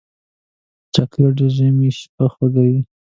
چاکلېټ د ژمي شپه خوږوي.